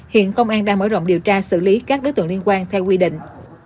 hiện công an đang mở rộng điều tra xử lý các đối tượng liên quan theo quy định